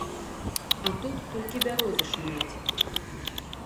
А тут толькі бярозы шумяць.